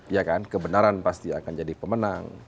jadi kebenaran pasti akan jadi pemenang